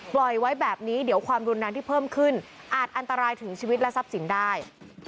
ปล่อยไว้แบบนี้เดี๋ยวความรุนแรงที่เพิ่มขึ้นอาจอันตรายถึงชีวิตและทรัพย์สินได้